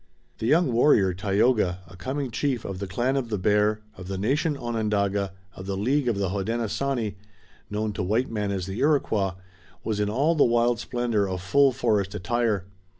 The young warrior, Tayoga, a coming chief of the clan of the Bear, of the nation Onondaga, of the League of the Hodenosaunee, known to white men as the Iroquois, was in all the wild splendor of full forest attire.